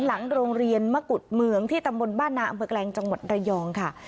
หลังโรงเรียนมะกุฎเมืองที่ตำบลบ้านนาอำเภอแกลงจังหวัดระยองค่ะ